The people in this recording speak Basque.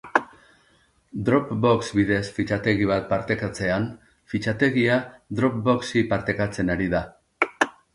Dropbox bidez fitxategi bat partekatzean, fitxategia Dropboxi partekatzen ari da.